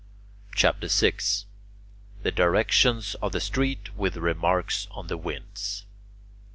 CHAPTER VI THE DIRECTIONS OF THE STREETS; WITH REMARKS ON THE WINDS 1.